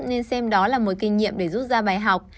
nên xem đó là một kinh nghiệm để rút ra bài học